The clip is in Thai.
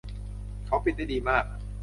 เขาปิดได้ดีมาก